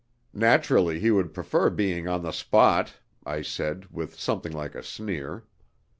"Naturally he would prefer being on the spot," I said, with something like a sneer.